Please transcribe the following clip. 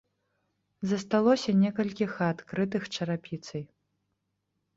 Засталося некалькі хат, крытых чарапіцай.